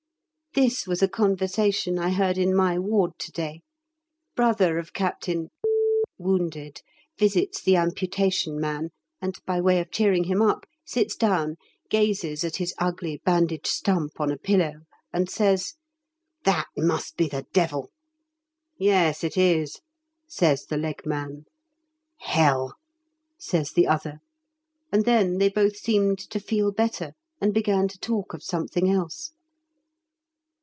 This was a conversation I heard in my ward to day. Brother of Captain (wounded) visits the amputation man, and, by way of cheering him up, sits down, gazes at his ugly bandaged stump on a pillow, and says "That must be the devil." "Yes, it is," says the leg man. "Hell," says the other, and then they both seemed to feel better and began to talk of something else.